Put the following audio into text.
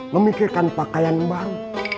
memikirkan pakaian baru